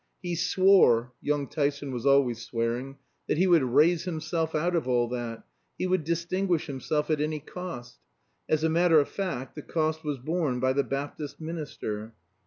He swore (young Tyson was always swearing) that he would raise himself out of all that; he would distinguish himself at any cost. (As a matter of fact the cost was borne by the Baptist minister.)